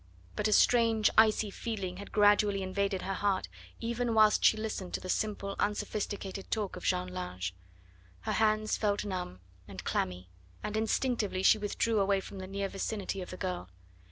But a strange icy feeling had gradually invaded her heart, even whilst she listened to the simple unsophisticated talk of Jeanne Lange. Her hands felt numb and clammy, and instinctively she withdrew away from the near vicinity of the girl.